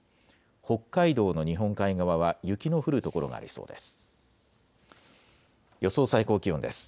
北海道の日本海側は雪の降る所がありそうです。